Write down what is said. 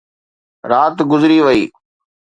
رات گذري وئي.